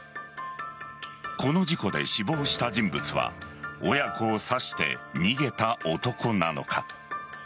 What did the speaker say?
この事故で死亡した人物は親子を刺して逃げた男なのか。